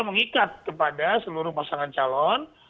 mengikat kepada seluruh pasangan calon